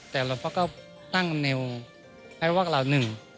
แต่เราก็ตั้งกำเนวให้วักล่าวหนึ่ง